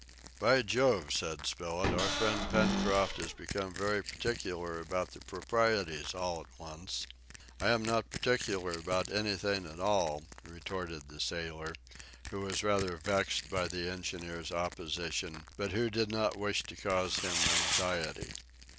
"By Jove," said Spilett, "our friend Pencroft has become very particular about the proprieties all at once!" "I am not particular about anything at all," retorted the sailor, who was rather vexed by the engineer's opposition, but who did not wish to cause him anxiety.